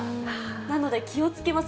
なので気をつけます。